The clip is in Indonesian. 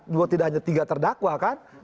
juga tidak hanya tiga terdakwa kan